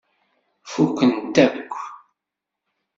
Fukkent-t akk.